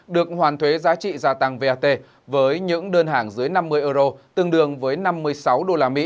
được hoàn thuế giá trị gia tăng vat với những đơn hàng dưới năm mươi euro tương đương với năm mươi sáu usd